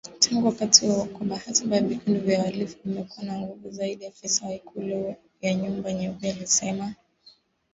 Tangu wakati huo kwa bahati mbaya vikundi vya wahalifu vimekuwa na nguvu zaidi, afisa wa Ikulu ya Nyumba Nyeupe alisema